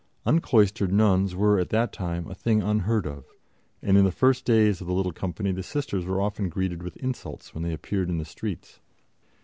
Uncloistered nuns were at that time a thing unheard of, and in the first days of the little company the Sisters were often greeted with insults when they appeared in the streets.